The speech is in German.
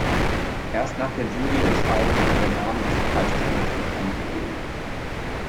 Erst nach der Jury-Entscheidung wird der Name des Preisträgers bekannt gegeben.